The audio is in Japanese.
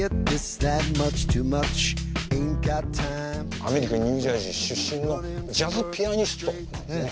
アメリカ・ニュージャージー出身のジャズピアニストなんですね。